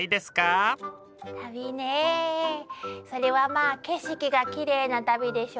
旅ねそれはまあ景色がきれいな旅でしょ。